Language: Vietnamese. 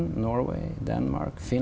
nhìn vào tương lai